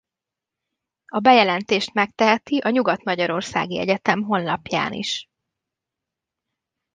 A bejelentést megteheti a Nyugat-magyarországi Egyetem honlapján is.